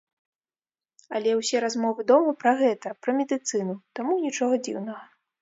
Але ўсе размовы дома пра гэта, пра медыцыну, таму нічога дзіўнага.